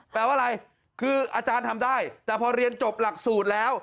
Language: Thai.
แปลว่าอะไรคืออาจารย์ทำได้แต่พอเรียนจบหลักสูตรแล้ว